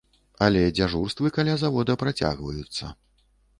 Але дзяжурствы каля завода працягваюцца.